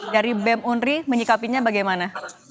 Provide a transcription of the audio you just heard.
dari bem unri menyikapinya bagaimana